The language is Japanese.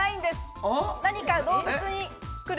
何か動物に来る